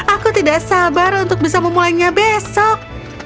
aku tidak sabar untuk bisa memulainya besok